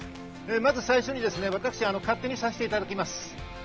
まず最初に私、勝手にさせていただきます。